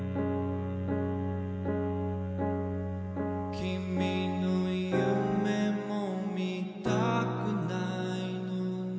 「君の夢も見たくないのに」